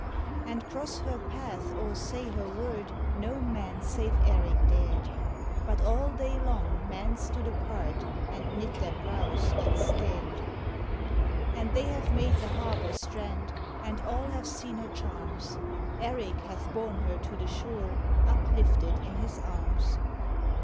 And cross her path or say her word No man save Erik dared ; But all day long men stood apart, And knit their brows, and stared. And they have made the harbor strand, And all have seen her charms; Erik hath borne her to the shore Uplifted hi his arms.